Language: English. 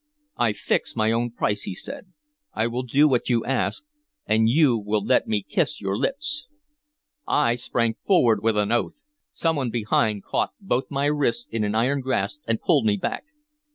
"I fix my own price," he said. "I will do what you ask, an you will let me kiss your lips." I sprang forward with an oath. Some one behind caught both my wrists in an iron grasp and pulled me back.